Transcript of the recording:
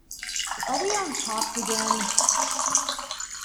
"Are we on "Cops" again?